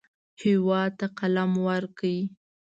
هېواد ته قلم ورکړئ